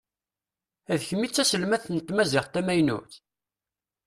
D kemm i d taselmadt n tmaziɣt tamaynut?